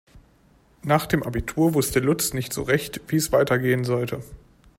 Nach dem Abitur wusste Lutz nicht so recht, wie es weitergehen sollte.